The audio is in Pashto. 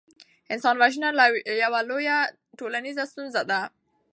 انسان وژنه یوه لویه ټولنیزه ستونزه ده.